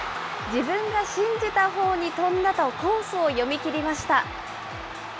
自分が信じたほうに飛んだとコースを読み切りました。